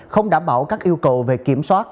không đảm bảo các yêu cầu về kiểm soát